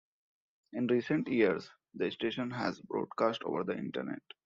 In recent years, the station has broadcast over the Internet.